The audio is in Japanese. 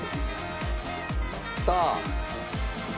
さあ。